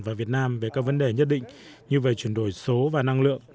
và việt nam về các vấn đề nhất định như về chuyển đổi số và năng lượng